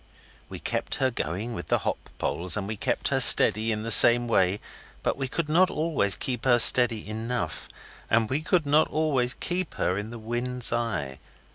We kept her going with the hop poles, and we kept her steady in the same way, but we could not always keep her steady enough, and we could not always keep her in the wind's eye.